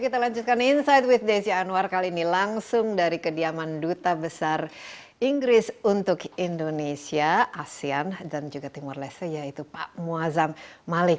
kita lanjutkan insight with desi anwar kali ini langsung dari kediaman duta besar inggris untuk indonesia asean dan juga timur leste yaitu pak muazzam malik